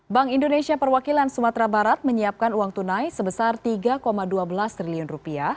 bank indonesia perwakilan sumatera barat menyiapkan uang tunai sebesar rp tiga dua belas triliun